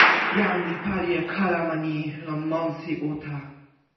jan li pali e kalama ni lon monsi uta.